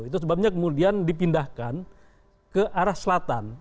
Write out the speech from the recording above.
itu sebabnya kemudian dipindahkan ke arah selatan